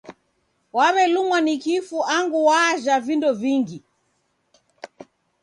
Waw'elumwa ni kifu angu wajha vindo vingi.